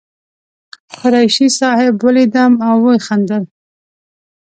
قریشي صاحب ولیدم او وخندل.